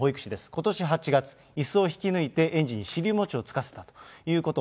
ことし８月、いすを引き抜いて園児に尻餅をつかせたということ。